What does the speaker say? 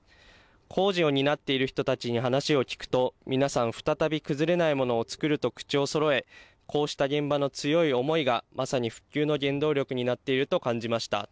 工事を担っている人たちに話を聞くと、皆さん再び崩れないものを造ると口をそろえ、こうした現場の強い思いが、まさに復旧の原動力になっていると感じました。